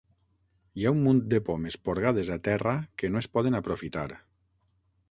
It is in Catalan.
Hi ha un munt de pomes porgades a terra que no es poden aprofitar.